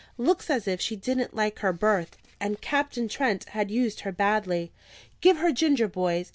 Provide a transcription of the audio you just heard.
"Looks as if she didn't like her berth, and Captain Trent had used her badly. Give her ginger, boys!"